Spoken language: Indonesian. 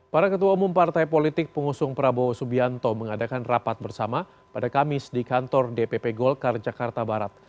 para ketua umum partai politik pengusung prabowo subianto mengadakan rapat bersama pada kamis di kantor dpp golkar jakarta barat